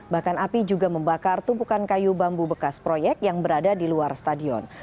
bahkan api juga membakar tumpukan kayu bambu bekas proyek yang berada di luar stadion